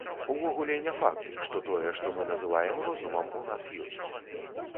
Увогуле не факт, што тое, што мы называем розумам, у нас ёсць.